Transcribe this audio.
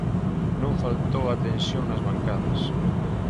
Non faltou a tensión nas bancadas.